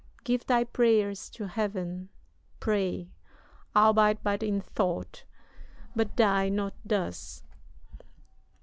Give thy prayers to Heaven Pray albeit but in thought but die not thus.